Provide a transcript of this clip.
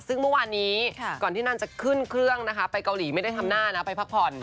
ซึ่งเมื่อวานนี้ก่อนที่นั่นจะขึ้นเครื่องนะคะไปเกาหลีไม่ได้ทำหน้านะไปพักผ่อน